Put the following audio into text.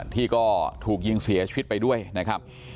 ที่ก็ถูกยิงเสียชีวิตไปด้วยนะครับ